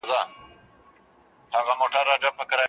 روښانه فکر کار نه زیانمنوي.